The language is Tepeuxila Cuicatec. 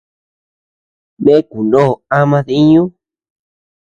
Nee kunoo ama diiñu.